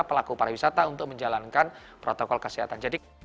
pelaku para wisata untuk menjalankan protokol kesehatan